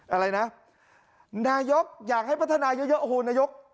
อะไรนะนายกอยากให้พัฒนาเยอะโอ้โหนายก